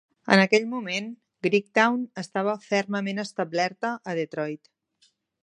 En aquell moment, Greektown estava fermament establerta a Detroit.